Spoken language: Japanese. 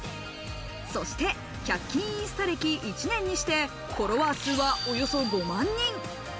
そして１００均インスタ歴１年にしてフォロワー数はおよそ５万人。